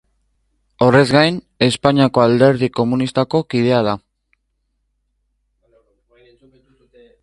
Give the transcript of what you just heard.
Horrez gain, Espainiako Alderdi Komunistako kidea da.